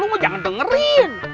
lu mau jangan dengerin